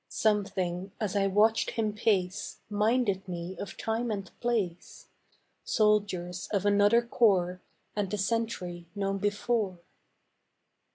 Something, as I watched him pace, Minded me of time and place, Soldiers of another corps And a sentry known before.